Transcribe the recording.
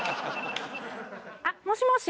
あっもしもし？